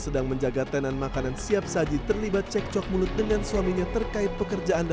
sedang menjaga tenan makanan siap saji terlibat cek cok mulut dengan suaminya terkait pekerjaan